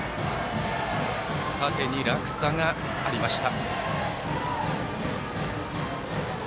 縦に落差がありました。